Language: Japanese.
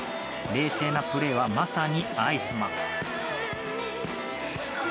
冷静なプレーはまさにアイスマン。